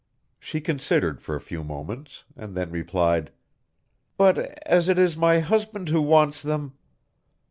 She considered for a few moments, and then replied: "But as it is my husband who wants them...."